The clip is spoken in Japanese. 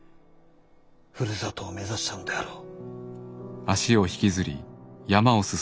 ふるさとを目指したのであろう。